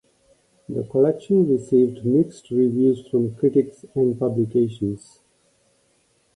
The collection received mixed reviews from critics and publications.